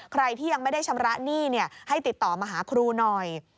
ใครที่ยังไม่ได้ชำระหนี้ให้ติดต่อมาหาครูหน่อย